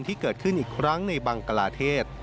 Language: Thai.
ที่เกิดขึ้นอีกครั้งในบังกลาเทศ